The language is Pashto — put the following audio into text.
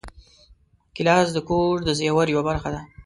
ګیلاس د کور د زېور یوه برخه ده.